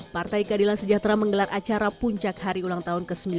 partai keadilan sejahtera menggelar acara puncak hari ulang tahun ke sembilan puluh